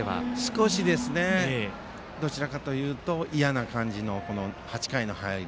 少し、どちらかというと嫌な感じの８回の入り。